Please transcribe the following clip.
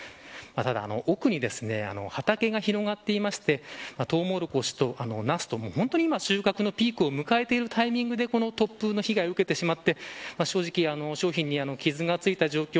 ただ、奥に畑が広がっていましてトウモロコシとナスと今、収穫のピークを迎えているタイミングでこの突風の被害を受けてしまって正直、商品に傷が付いた状況。